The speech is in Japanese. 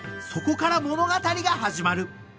［そこから物語が始まる］